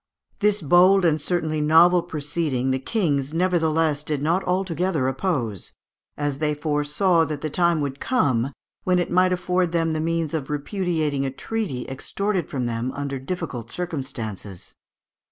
This bold and certainly novel proceeding the kings nevertheless did not altogether oppose, as they foresaw that the time would come when it might afford them the means of repudiating a treaty extorted from them under difficult circumstances (Fig.